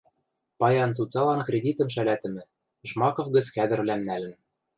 Паян цуцалан кредитӹм шӓлӓтӹмӹ, Жмаков гӹц хӓдӹрвлӓм нӓлӹн